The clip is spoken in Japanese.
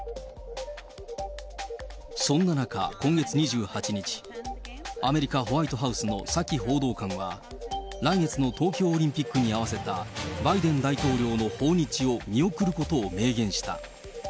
そんな中、今月２８日、アメリカ・ホワイトハウスのサキ報道官は、来月の東京オリンピックに合わせた、バイデン大統領の訪日を見送ることを明言した。